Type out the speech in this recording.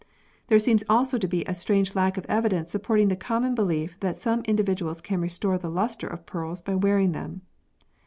There seems also to be a strange lack of evidence supporting the common belief that some individuals can restore the lustre of pearls by wearing them.